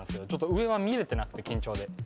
上は見えてなくて緊張で。